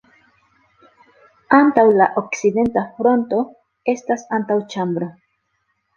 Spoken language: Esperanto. Antaŭ la okcidenta fronto estas antaŭĉambro.